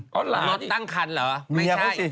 รถตั้งคันเหรอไม่ใช่